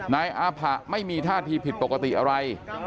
นายอาผะไม่มีท่าทีผิดปกติอะไร